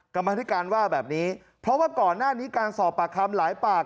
กรรมธิการว่าแบบนี้เพราะว่าก่อนหน้านี้การสอบปากคำหลายปาก